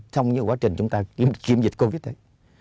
xong như quá trình chúng ta kiểm dịch covid ấy